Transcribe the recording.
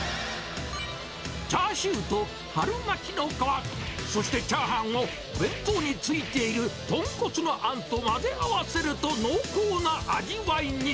チャーシューと春巻きの皮、そしてチャーハンを、弁当に付いている豚骨のあんと混ぜ合わせると、濃厚な味わいに。